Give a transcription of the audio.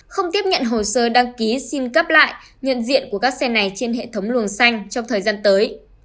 không tiếp nhận hồ sơ đăng ký xin cấp lại nhận diện của các xe này trên hệ thống luồng xanh trong thời gian tới